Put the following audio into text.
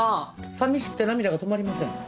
寂しくて涙が止まりません。